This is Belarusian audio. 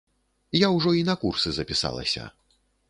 Я ўжо і на курсы запісалася.